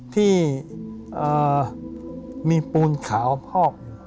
ที่มีปูนขาวพอก